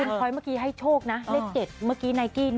คอยเมื่อกี้ให้โชคนะเลข๗เมื่อกี้ไนกี้